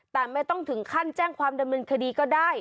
แต่ไม่ต้องถึงขั้นแจ้งความดำเนินคดีก็ได้